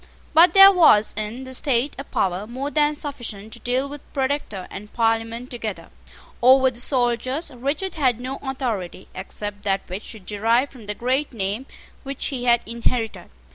But there was in the state a power more than sufficient to deal with Protector and Parliament together. Over the soldiers Richard had no authority except that which he derived from the great name which he had inherited.